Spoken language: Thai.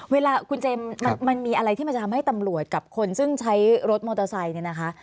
เวลาคุณเจมส์มันมีอะไรที่มันจะทำให้ตำรวจกับคนซึ่งใช้รถมอเตอร์ไซค์เนี่ยนะคะ